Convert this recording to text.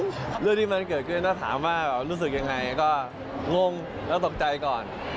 เรื่องที่มันเกิดขึ้นถ้าถามว่ารู้สึกยังไงก็งงแล้วตกใจก่อน